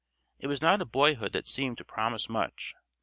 It was not a boyhood that seemed to promise much.